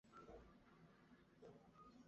圣帕特里斯。